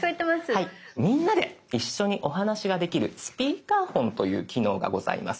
みんなで一緒にお話ができる「スピーカーフォン」という機能がございます。